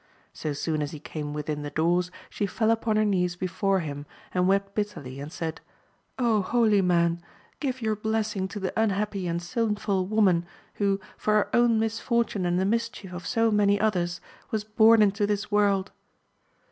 So soon as he came within the doors, she fell upon her knees before him, and wept bitterly, and said, holy man, give your blessing to the unhappy and sinful woman who, for her own mis fortune and the mischief of so many others, was bom into this world!